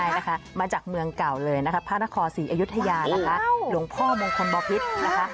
ใช่นะคะมาจากเมืองเก่าเลยนะคะพระนครศรีอยุธยานะคะหลวงพ่อมงคลบพิษนะคะ